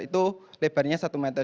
itu lebarnya satu meter